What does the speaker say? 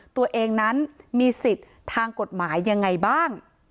ตัวเองนั้นมีสิทธิ์ทางกฎหมายยังไงบ้าง